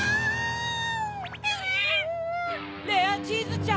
レアチーズちゃん！